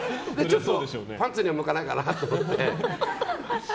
パンツには向かないかなと。